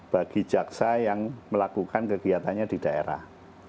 bagi jaksa yang melakukan kegiatannya di daerah